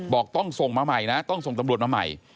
บอกต้องส่งมาใหม่นะต้องส่งตำรวจมาใหม่